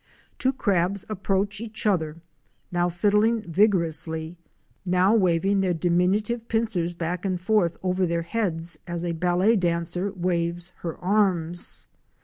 Two crabs approach each other, now fiddling vigorously, now waving their diminu tive pincers back and forth over their heads as a ballet dancer waves her arms.